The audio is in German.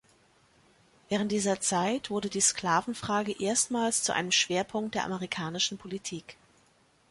Während dieser Zeit wurde die Sklavenfrage erstmals zu einem Schwerpunkt der amerikanischen Politik.